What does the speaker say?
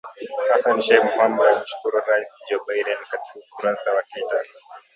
Hassan Sheikh Mohamud alimshukuru Rais Joe Biden katika ukurasa wa Twitter